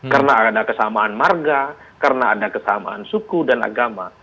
karena ada kesamaan marga karena ada kesamaan suku dan agama